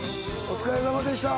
お疲れさまでした。